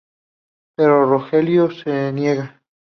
Pero Rogelio se niega.